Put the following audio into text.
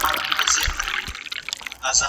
د نوي نکاح حقيقي موخي بايد ناڅرګندې پاته نه سي.